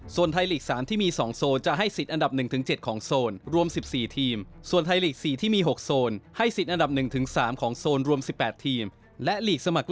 ส่วนไทยลีก๓ที่มี๒โซนจะให้สิทธิ์อันดับ๑๗ของโซนรวม๑๔ทีม